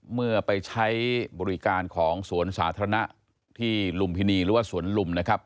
เมื่อไปใช้บริการของสวนสาธารณะที่ลุมพินีหรือว่าสวนลุมนะครับ